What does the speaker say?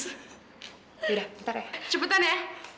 sudah ntar ya cepetan ya